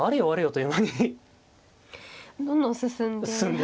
どんどん進んで。